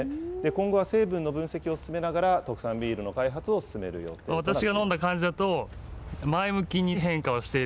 今後は成分の分析を進めながら、特産ビールの開発を進める予定となっています。